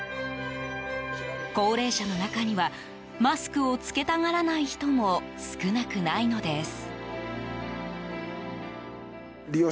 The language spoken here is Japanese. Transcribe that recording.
高齢者の中にはマスクを着けたがらない人も少なくないのです。